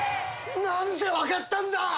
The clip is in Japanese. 何で分かったんだ！？